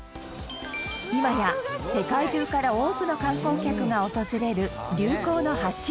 今や、世界中から多くの観光客が訪れる流行の発信